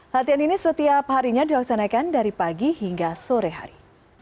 latihan ini setiap harinya dilaksanakan dari pagi hingga sore hari